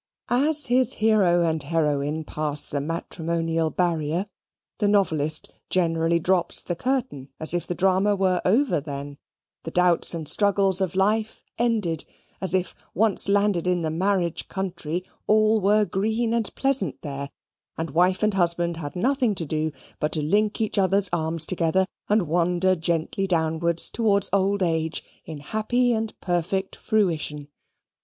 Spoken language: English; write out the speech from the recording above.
As his hero and heroine pass the matrimonial barrier, the novelist generally drops the curtain, as if the drama were over then: the doubts and struggles of life ended: as if, once landed in the marriage country, all were green and pleasant there: and wife and husband had nothing to do but to link each other's arms together, and wander gently downwards towards old age in happy and perfect fruition.